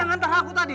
yang ngantar aku tadi